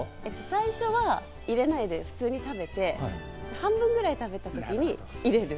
最初は入れないで普通に食べて、半分ぐらいになった時に入れる。